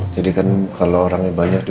jadi kan kalau orangnya banyak